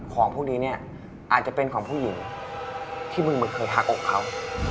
ของพวกนี้เนี่ยอาจจะเป็นของผู้หญิงที่มึงมันเคยหักอกเขา